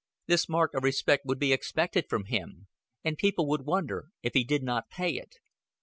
This mark of respect would be expected from him, and people would wonder if he did not pay it.